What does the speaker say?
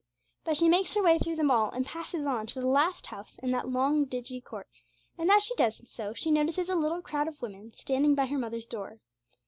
But she makes her way through them all, and passes on to the last house in that long dingy court, and as she does so she notices a little crowd of women standing by her mother's door.